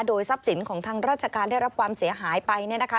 ทรัพย์สินของทางราชการได้รับความเสียหายไปเนี่ยนะคะ